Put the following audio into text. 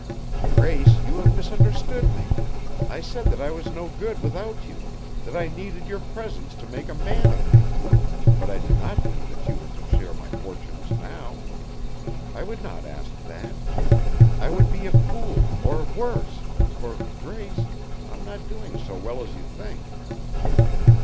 "Grace, you have misunderstood me. I said that I was no good without you, that I needed your presence to make a man of me, but I did not mean that you were to share my fortunes now. I would not ask that. I would be a fool or worse, for, Grace, I'm not doing so well as you think.